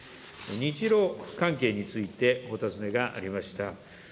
日露関係についてお尋ねがありました。